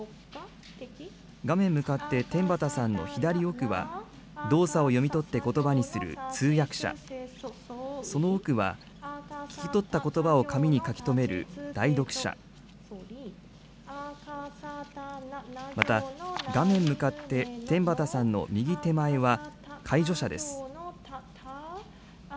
画面向かって天畠さんの左奥は、動作を読み取ってことばにする通訳者、その奥は、聞き取ったことばを紙に書き留める代読者、また画面向かって天畠さんの右手前は介助者です。